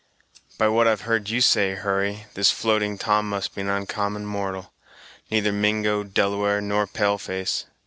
"By what I've heard you say, Hurry, this Floating Tom must be an oncommon mortal; neither Mingo, Delaware, nor pale face.